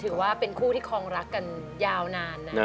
ถือว่าเป็นคู่ที่คลองรักกันยาวนานนะ